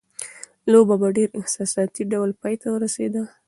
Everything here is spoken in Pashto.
لوبه په ډېر احساساتي ډول پای ته ورسېده.